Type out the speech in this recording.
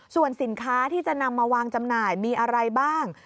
ส่วนสินค้าที่จะนำมาวางจำหน่ายมีอะไรบ้าง